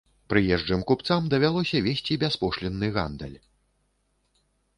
Прыезджым купцам дазвалялася весці бяспошлінны гандаль.